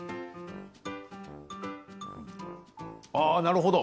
ああ、なるほど！